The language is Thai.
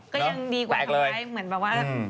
ก็ยังดีกว่าทำไร